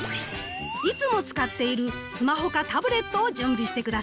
いつも使っているスマホかタブレットを準備して下さいね。